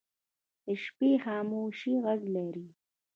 د شپې خاموشي غږ لري